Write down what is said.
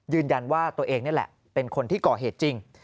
ยืนยันว่าตัวเองนี่แหละเป็นคนที่ก่อเหตุจริง